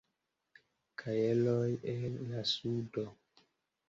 Kajeroj el la Sudo.